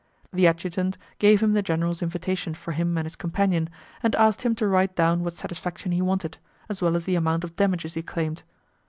The adjutant gave him the general's invitation for him and his companion, and asked him to write down what satisfaction he wanted, as well as the amount of damages he claimed.